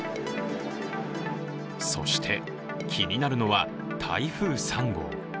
そして、気になるのは台風３号。